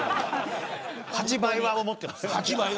８倍は思っていますよね。